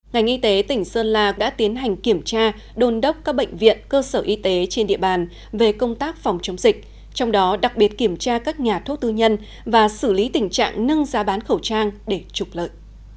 ngành y tế tỉnh sơn la đã tiến hành kiểm tra đôn đốc các bệnh viện cơ sở y tế trên địa bàn về công tác phòng chống dịch trong đó đặc biệt kiểm tra các nhà thuốc tư nhân và xử lý tình trạng nâng giá bán khẩu trang để trục lợi